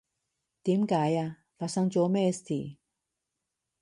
點解呀？發生咗咩事？